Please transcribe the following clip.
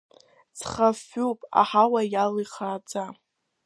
Цхафҩуп аҳауа иалоу ихааӡа.